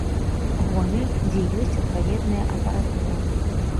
Гомель, дзе ёсць адпаведная апаратура.